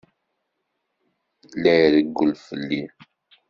La irewwel fell-i.